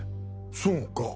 そうか。